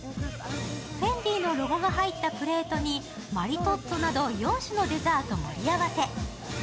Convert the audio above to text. ＦＥＮＤＩのロゴが入ったプレートにマリトッツォなど４種のデザート盛り合わせ。